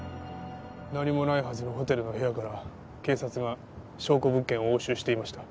何もないはずのホテルの部屋から警察が証拠物件を押収していました。